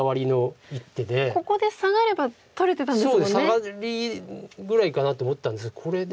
サガリぐらいかなと思ったんですがこれで。